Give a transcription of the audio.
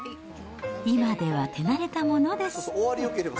今では手慣れたものです。